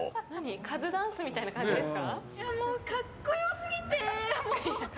カズダンスみたいな感じですか？